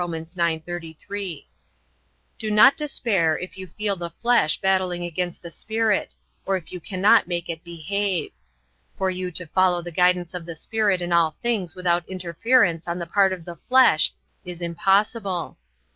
9:33.) Do not despair if you feel the flesh battling against the Spirit or if you cannot make it behave. For you to follow the guidance of the Spirit in all things without interference on the part of the flesh is impossible.